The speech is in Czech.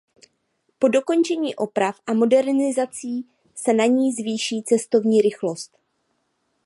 Po dokončení oprav a modernizací se na ní zvýší cestovní rychlost.